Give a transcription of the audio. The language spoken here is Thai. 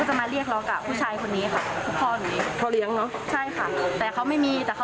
ใช่ค่ะสอยที่หน้าอกประมาณสิบหน้าค่ะ